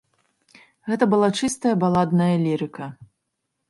Гэта была чыстая баладная лірыка.